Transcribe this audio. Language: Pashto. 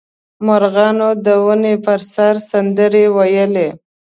مرغانو د ونې په سر سندرې ویلې.